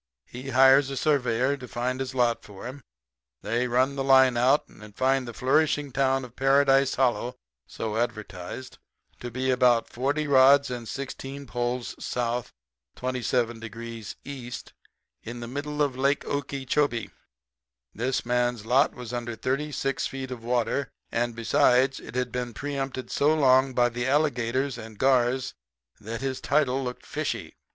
He hires a surveyor to find his lot for him. They run the line out and find the flourishing town of Paradise Hollow, so advertised, to be about 40 rods and 16 poles S., 27 degrees E. of the middle of Lake Okeechobee. This man's lot was under thirty six feet of water, and, besides, had been preempted so long by the alligators and gars that his title looked fishy.